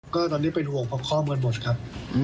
ก็ตอนนี้เป็นห่วงพ่อคอมกันหมดครับ